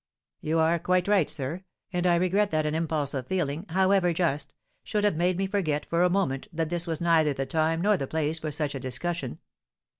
"You are quite right, sir, and I regret that an impulse of feeling, however just, should have made me forget for a moment that this was neither the time nor the place for such a discussion.